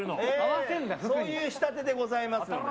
そういう仕立てでございます。